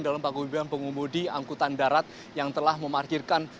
dalam panggung pembimbingan pengumudi angkutan darat yang telah memarkirkan